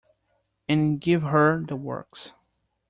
And give her the works.